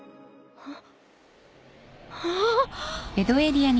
・あっ！